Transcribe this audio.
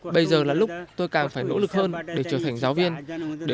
bây giờ là lúc tôi càng phải nỗ lực hơn để trở thành giáo viên để tôi có thể học được